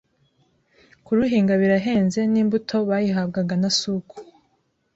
kuruhinga birahenze n’imbuto bayihabwaga na Souk